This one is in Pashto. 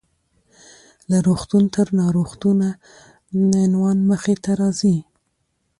له روغتون تر ناروغتونه: عنوان مخې ته راځي .